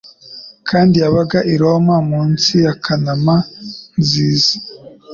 Kandi yabaga i Roma munsi ya Kanama nziza